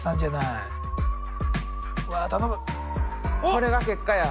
これが結果や。